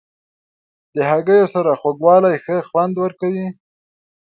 د هګیو سره خوږوالی ښه خوند ورکوي.